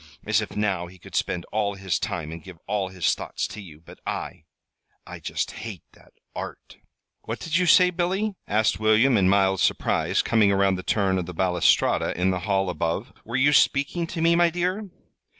As if now he could spend all his time and give all his thoughts to you! But I I just hate that Art!" "What did you say, Billy?" asked William, in mild surprise, coming around the turn of the balustrade in the hall above. "Were you speaking to me, my dear?"